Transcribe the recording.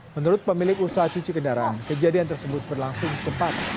menurut pemilik usaha cuci kendaraan kejadian tersebut berlangsung cepat